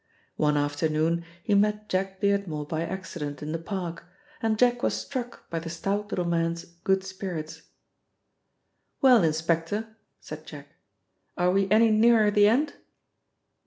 One afternoon he met Jack Beardmore by accident in the park, and Jack was struck by the stout little man's good spirits. "Well, inspector," said Jack, "are we any nearer the end?"